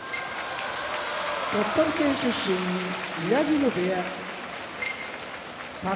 鳥取県出身宮城野部屋宝